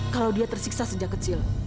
kalau dia tersiksa sejak kecil